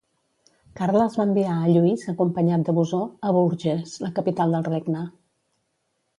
Carles va enviar a Lluís acompanyat de Bosó a Bourges, la capital del regne.